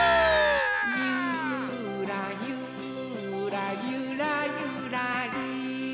「ゆーらゆーらゆらゆらりー」